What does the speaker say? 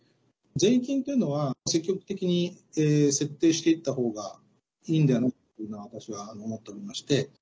税金というのは積極的に設定していった方がいいんではないかと私は思っておりまして。